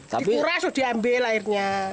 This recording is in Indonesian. dikuras diambil airnya